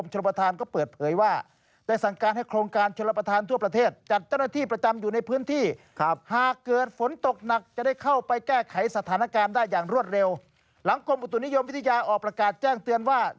หลังกรมยุตุนิยมวิทยาคฤาภัณฑ์ออกประกาศแจ้งเตือนว่า